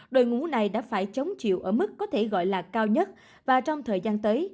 đội ngũ này đã phải chống chịu ở mức có thể gọi là cao nhất và trong thời gian tới